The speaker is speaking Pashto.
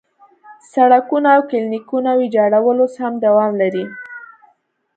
سړکونه او کلینیکونه ویجاړول اوس هم دوام لري.